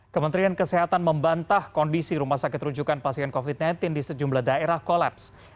kementerian kesehatan membantah kondisi rumah sakit rujukan pasien covid sembilan belas di sejumlah daerah kolaps